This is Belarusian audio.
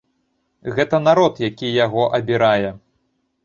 Гэта народ, які яго абірае.